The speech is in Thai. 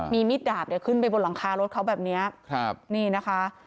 มีมิดดาบเนี่ยขึ้นไปบนหลังคารถเขาแบบนี้ครับนี่นะคะ